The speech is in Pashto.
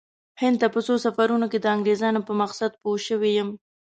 هند ته په څو سفرونو کې د انګریزانو په مقصد پوه شوی یم.